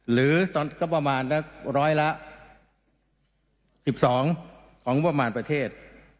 หรือตอนก็ประมาณร้อยละ๑๒ของงบประมาณประเทศ